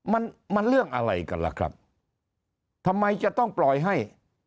มันมันเรื่องอะไรกันล่ะครับทำไมจะต้องปล่อยให้